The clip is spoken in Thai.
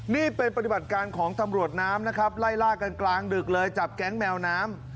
นี่เป็นปฏิบัติการของตำรวจน้ำนะครับไล่ล่ากันกลางดึกเลยจับแก๊งแมวน้ำ